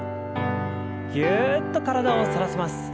ぎゅっと体を反らせます。